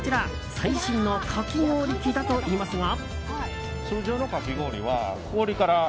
最新のかき氷機だといいますが。